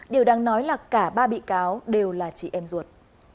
điều đáng nói là cả ba bị cáo đều là chị em ruột